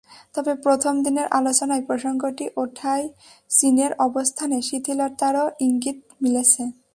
তবে প্রথম দিনের আলোচনায় প্রসঙ্গটি ওঠায় চীনের অবস্থানে শিথিলতারও ইঙ্গিত মিলেছে।